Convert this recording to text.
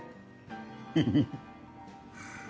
フフフ。